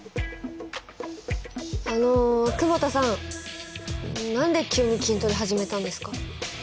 あの久保田さん何で急に筋トレ始めたんですか？